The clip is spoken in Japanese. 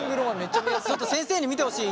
ちょっと先生に見てほしい。